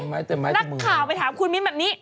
นักข่าวไปถามคุณมิ้นแบบนี้